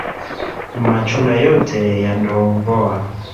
Machunda yote yandovowa